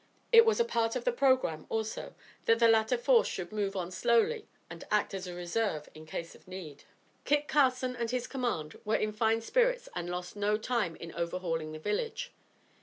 It was a part of the programme, also, that the latter force should move on slowly and act as a reserve in case of need. Kit Carson and his command were in fine spirits and lost no time in overhauling the village.